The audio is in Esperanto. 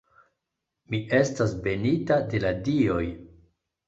Mi estas benita de la dioj.